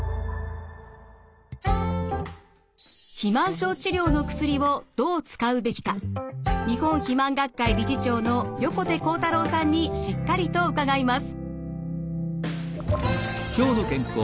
肥満症治療の薬をどう使うべきか日本肥満学会理事長の横手幸太郎さんにしっかりと伺います。